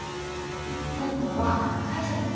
ヒントは会社の人。